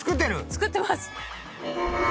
作ってます。